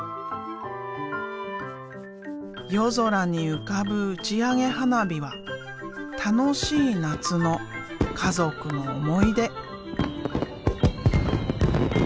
夜空に浮かぶ打ち上げ花火は楽しい夏の家族の思い出。